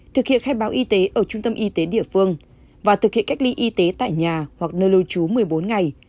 thực hiện khai báo y tế ở trung tâm y tế địa phương và thực hiện cách ly y tế tại nhà hoặc nơi lưu trú một mươi bốn ngày